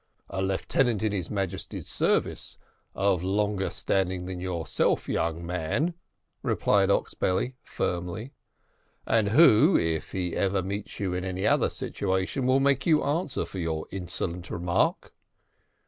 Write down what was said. "A lieutenant in his Majesty's service, of longer standing than yourself, young man," replied Oxbelly firmly; "and who, if he ever meets you in any other situation will make you answer for your insolent remark."